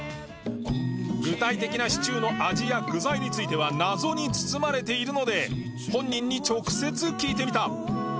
具体的なシチューの味や具材については謎に包まれているので本人に直接聞いてみた